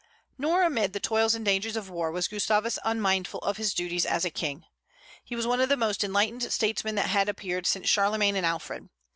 Nor amid the toils and dangers of war was Gustavus unmindful of his duties as a king. He was one of the most enlightened statesmen that had appeared since Charlemagne and Alfred.